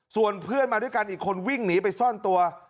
ส่วนเพื่อนมาด้วยกันอีกคนวิ่งหนีไปซ่อนตัว